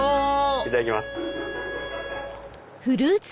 いただきます。